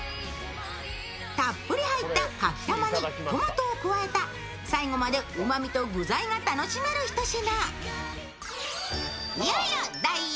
たっぷり入ったかきたまにトマトを加えた最後までうまみと具材が楽しめる一品。